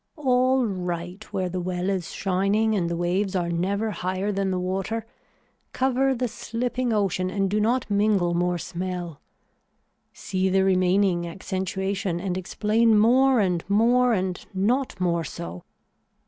All right where the well is shining and the waves are never higher than the water, cover the slipping ocean and do not mingle more smell. See the remaining accentuation and explain more and more and not more so.